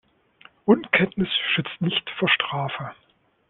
Unkenntnis schützt nicht vor Strafe.